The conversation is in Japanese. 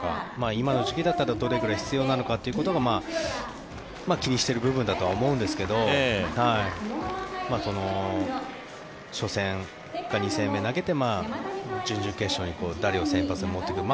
今の時期だったらどれくらい必要なのかということが気にしている部分だとは思うんですけど初戦か２戦目に投げて準々決勝に誰を先発に持ってくるか。